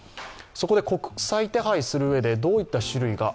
そこで国際手配するうえでどういった種類が